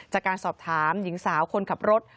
จากการสอบถามหญิงสาวคนขับรถ